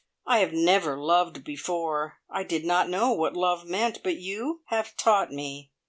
I have never loved before. I did not know what love meant, but you have taught me.